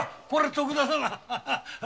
徳田様